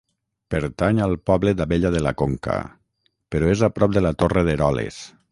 Pertany al poble d'Abella de la Conca, però és a prop de la Torre d'Eroles.